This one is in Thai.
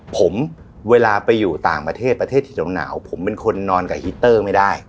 ผมเวลาไปอยู่ต่างประเทศประเทศที่หนาวผมเป็นคนนอนกับฮิตเตอร์ไม่ได้